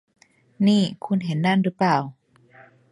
นี่ คุณเห็นนั่นรึเปล่า